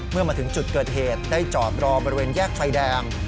เมื่อมาถึงจุดเกิดเหตุได้จอดรอบริเวณแยกไฟแดง